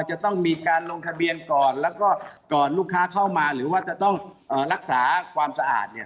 จะต้องมีการลงทะเบียนก่อนแล้วก็ก่อนลูกค้าเข้ามาหรือว่าจะต้องรักษาความสะอาดเนี่ย